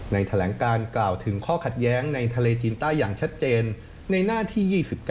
แถลงการกล่าวถึงข้อขัดแย้งในทะเลจีนใต้อย่างชัดเจนในหน้าที่๒๙